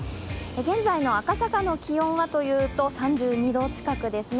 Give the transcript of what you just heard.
現在の赤坂の気温はというと３２度近くですね。